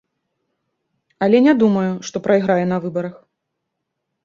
Але не думаю, што прайграе на выбарах.